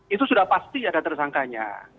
itu sudah pasti ada tersangkanya